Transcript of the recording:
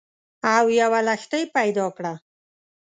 او یوه لښتۍ پیدا کړه